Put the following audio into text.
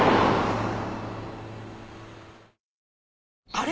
あれ？